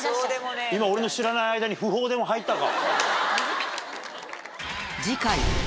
今俺の知らない間に訃報でも入ったか？